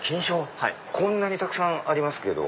こんなにたくさんありますけど。